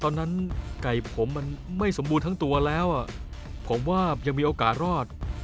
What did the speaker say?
ไก่ผมมันไม่สมบูรณ์ทั้งตัวแล้วผมว่ายังมีโอกาสรอด